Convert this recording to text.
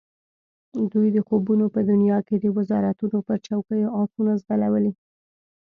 دوی د خوبونو په دنیا کې د وزارتونو پر چوکیو آسونه ځغلولي.